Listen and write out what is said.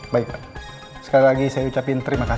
baik pak sekali lagi saya ucapin terima kasih